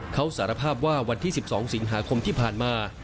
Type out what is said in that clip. เขาสารภาพว่าวันที่๑๒สิงหาคมที่ผ่านมา